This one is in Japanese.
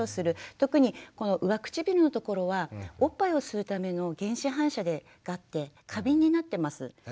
特にこの上唇のところはおっぱいを吸うための原始反射があって過敏になってます。